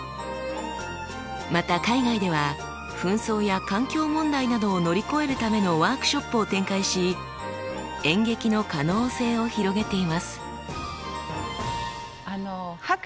また海外では紛争や環境問題などを乗り越えるためのワークショップを展開し演劇の可能性を広げています。